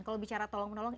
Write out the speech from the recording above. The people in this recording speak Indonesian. kalau bicara tolong menolong